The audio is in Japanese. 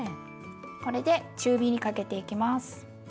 これで中火にかけていきます。